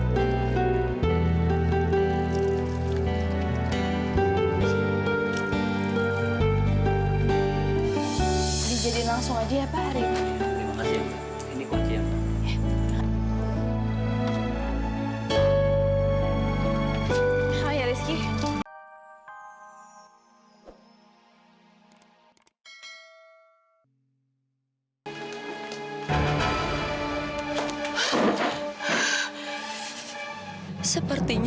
sampai jumpa di video selanjutnya